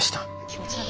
気持ち悪。